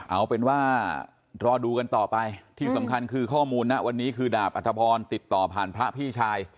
เอาเป็นว่ารอดูกันต่อไปที่สำคัญคือข้อมูลนะวันนี้คือดาบอัธพรติดต่อผ่านพระพี่ชาย